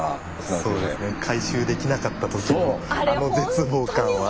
そうですね回収できなかった時のあの絶望感は。